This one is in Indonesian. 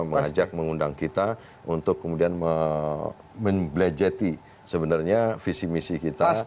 mengajak mengundang kita untuk kemudian membelajeti sebenarnya visi misi kita